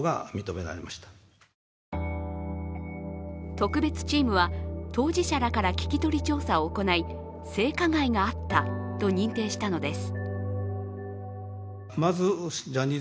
特別チームは、当事者らから聞き取り調査を行い性加害があったと認定したのです。